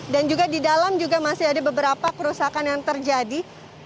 dan juga di dalam juga masih ada beberapa kerusakan yang terjadi